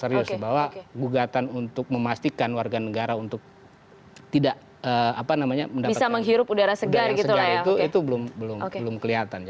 serius bahwa gugatan untuk memastikan warga negara untuk tidak bisa menghirup udara segar itu belum kelihatan